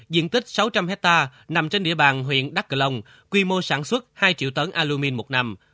diện tích sáu trăm linh hectare nằm trên địa bàn huyện đắk cờ long quy mô sản xuất hai triệu tấn alumin một năm